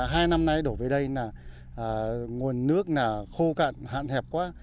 hai năm nay đổ về đây là nguồn nước là khô cạn hạn hẹp quá